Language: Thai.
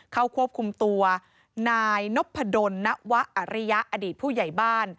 เข้าควบคุมตัวนายนพดลนวะอริยะอดีตผู้ใหญ่บ้าน